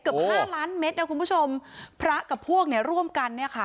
เกือบห้าล้านเมตรนะคุณผู้ชมพระกับพวกเนี่ยร่วมกันเนี่ยค่ะ